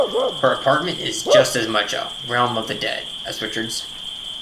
Her apartment is just as much a "realm of the dead" as Richard's.